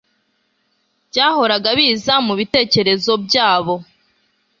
byahoraga biza mu bitekerezo byabo.